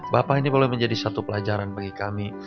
bapak ini boleh menjadi satu pelajaran bagi kami